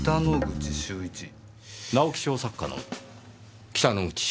直木賞作家の北之口秀一ですか？